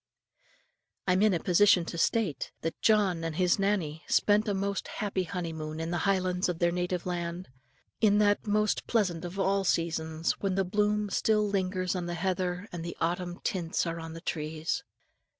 I am in a position to state, that John and his Nannie spent a most happy honeymoon in the Highlands of their native land, in that most pleasant of all seasons when the bloom still lingers on the heather and the autumn tints are on the trees.